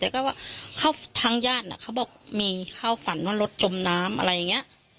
แต่ก็ว่าทางญาติเขาบอกมีเข้าฝันว่ารถจมน้ำอะไรอย่างนี้